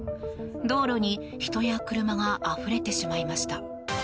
道路に人や車があふれてしまいました。